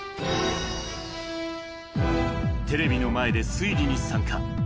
テレビの前で推理に参加。